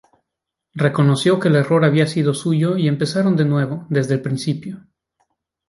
Reconoció que el error había sido suyo y empezaron de nuevo, desde el principio.